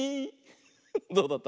どうだった？